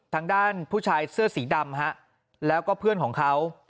ทางด้านผู้ชายเสื้อสีดำแล้วก็เพื่อนของเขา